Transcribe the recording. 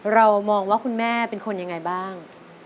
เรามองว่าคุณแม่เป็นคนยังไงบ้าง